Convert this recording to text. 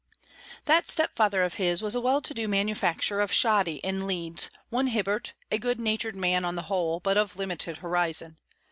That step father of his was a well to do manufacturer of shoddy in Leeds, one Hibbert, a good natured man on the whole, but of limited horizon.